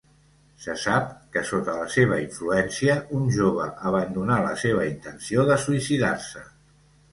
Se sap que sota la seva influència un jove abandonà la seva intenció de suïcidar-se.